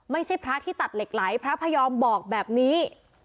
ไม่ใช่พระที่ตัดเหล็กไหลพระพยอมบอกแบบนี้